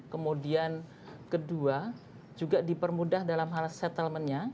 kemudian kedua juga dipermudah dalam hal settlementnya